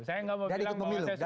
dan ikut memilu